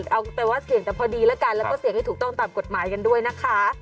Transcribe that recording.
เอาแต่ว่าเสี่ยงแต่พอดีแล้วกันแล้วก็เสี่ยงให้ถูกต้องตามกฎหมายกันด้วยนะคะ